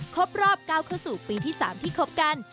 ครบรอบ๙เข้าสู่ปีที่๓ที่คบกัน